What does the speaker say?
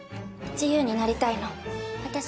自由になりたいの。